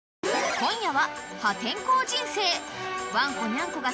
［今夜は］